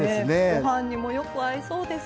ご飯にもよく合いそうです。